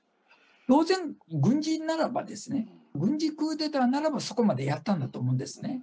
当然、軍人ならば、軍事クーデターならば、そこまでやったんだと思うんですね。